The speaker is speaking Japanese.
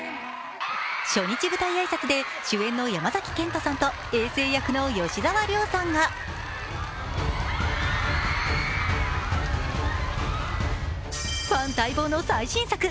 初日舞台挨拶で主演の山崎賢人さんと吉沢亮さんがファン待望の最新作。